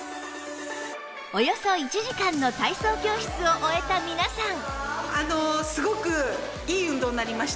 およそ１時間の体操教室を終えた皆さん